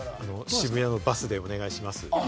渋谷のバスでお願いします。